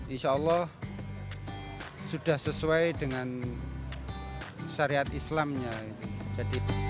insya allah sudah sesuai dengan syariat islamnya